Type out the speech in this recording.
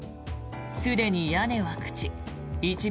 すでに屋根は朽ち